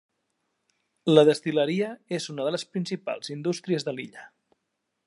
La destil·leria és una de les principals indústries de l'illa.